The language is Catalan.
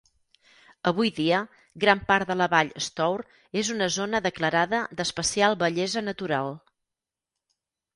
Avui dia, gran part de la vall Stour és una zona declarada d'especial bellesa natural.